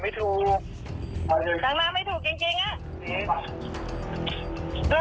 อาจารย์มีคนได้ไปรางวัลที่๑แหละ